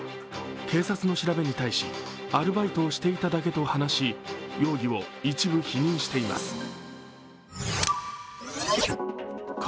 警察の調べに対し、アルバイトをしていただけと話し、容疑を一部否認しています。